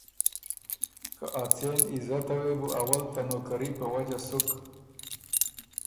که اڅېن عزته وې بو اول ته نوکري په وجه سُک۔